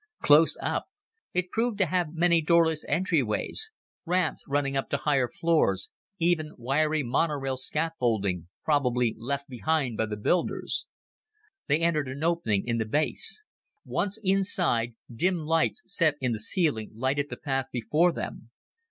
Close up, it proved to have many doorless entryways, ramps running up to higher floors, even wiry monorail scaffolding, probably left behind by the builders. They entered an opening in the base. Once inside, dim lights set in the ceiling lighted the path before them.